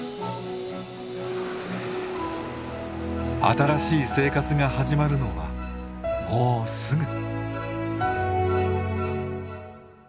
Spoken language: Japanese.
新しい生活が始まるのはもうすぐ。